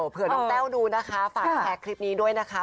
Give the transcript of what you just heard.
เผื่อน้องแต้วดูฟาสแพลกคลิปนี้ด้วยนะคะ